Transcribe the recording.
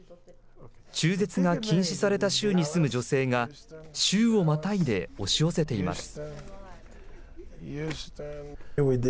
中絶が禁止された州に住む女性が州をまたいで押し寄せています。